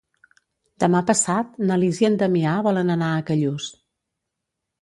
Demà passat na Lis i en Damià volen anar a Callús.